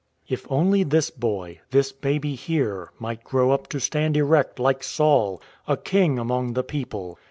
If only this boy, this baby here, might grow up to stand erect like Saul, a king among the people!